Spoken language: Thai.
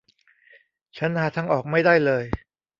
ฉันหาทางออกไม่ได้เลย